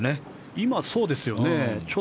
今、そうですよね。